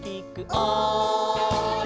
「おい！」